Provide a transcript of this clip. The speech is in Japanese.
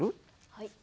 はい。